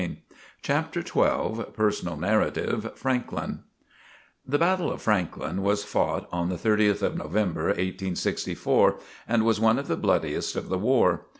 CHAPTER XII PERSONAL NARRATIVE FRANKLIN The Battle of Franklin was fought on the 30th of November, 1864, and was one of the bloodiest of the war.